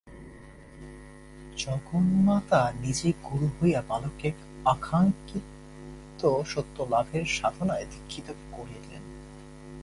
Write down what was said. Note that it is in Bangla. জগন্মাতা নিজেই গুরু হইয়া বালককে আকাঙ্ক্ষিত সত্যলাভের সাধনায় দীক্ষিত করিলেন।